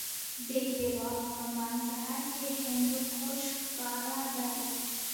د هېواد په منظره کې هندوکش ښکاره دی.